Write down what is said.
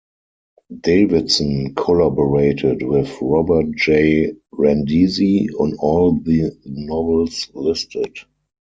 Davidson collaborated with Robert J. Randisi on all the novels listed.